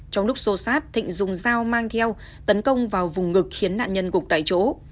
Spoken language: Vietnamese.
trong lúc xô xát thịnh dùng dao mang theo tấn công vào vùng ngực khiến nạn nhân gục tại chỗ